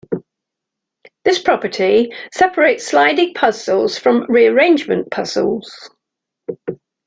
This property separates sliding puzzles from rearrangement puzzles.